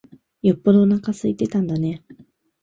よっぽどおなか空いてたんだね。